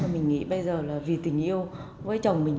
mình nghĩ bây giờ là vì tình yêu với chồng mình